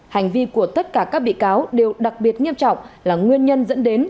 hành vi của tất cả các bị cáo đều đặc biệt nghiêm trọng là nguyên nhân dẫn đến